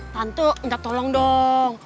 tantu ntar tolong dong